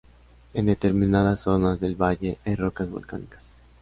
En determinadas zonas del valle hay rocas volcánicas.